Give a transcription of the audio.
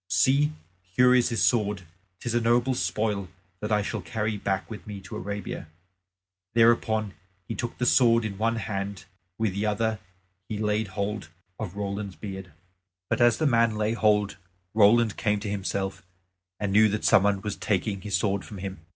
See, here is his sword; 'tis a noble spoil that I shall carry back with me to Arabia." Thereupon he took the sword in one hand, with the other he laid hold of Roland's beard. But as the man laid hold, Roland came to himself, and knew that some one was taking his sword from him.